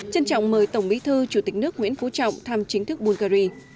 trân trọng mời tổng bí thư chủ tịch nước nguyễn phú trọng thăm chính thức bungary